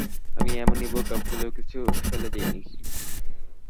আমি এমনি বোকা, ভুলেও কিছু ফেলে যাই নি।